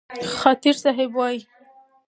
خاطر صاحب وايي: